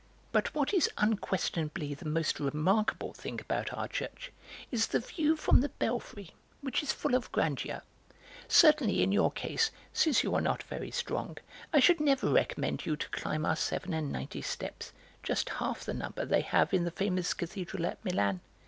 "But what is unquestionably the most remarkable thing about our church is the view from the belfry, which is full of grandeur. Certainly in your case, since you are not very strong, I should never recommend you: to climb our seven and ninety steps, just half the number they have in the famous cathedral at Milan.